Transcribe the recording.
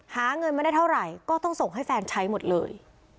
หาเงินมาได้เท่าไหร่ก็ต้องส่งให้แฟนใช้หมดเลย